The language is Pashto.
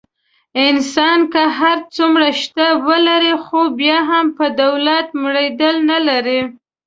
انسان که هر څومره شته ولري. خو بیا هم په دولت مړېدل نه لري.